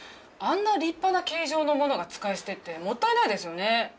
あんな立派な形状のものが使い捨てってもったいないですよね。